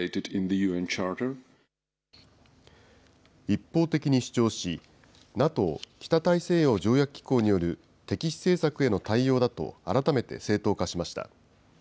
一方的に主張し、ＮＡＴＯ・北大西洋条約機構による敵視政策への対応だと、改めて正当化しました。